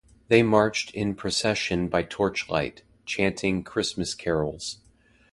They marched in procession by torchlight, chanting Christmas carols.